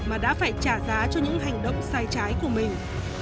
mà đã phải trả giá cho những hành động sai trái của mình